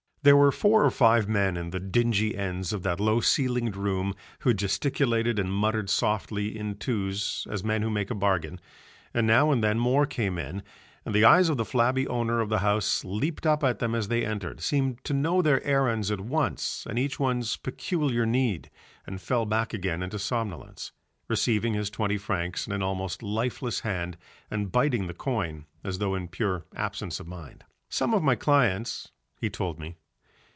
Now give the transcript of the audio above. There were four or five men in the dingy ends of that low ceilinged room who gesticulated and muttered softly in twos as men who make a bargain, and now and then more came in, and the eyes of the flabby owner of the house leaped up at them as they entered, seemed to know their errands at once and each one's peculiar need, and fell back again into somnolence, receiving his twenty francs in an almost lifeless hand and biting the coin as though in pure absence of mind. "Some of my clients," he told me.